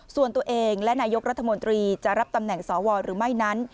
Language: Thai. ส่วนตัวเองและนายกรัฐมนตรีจะรับตำแหน่งสวหรือไม่นั้น